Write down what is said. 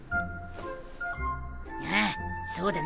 ああそうだな